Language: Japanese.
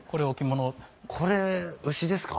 これ牛ですか？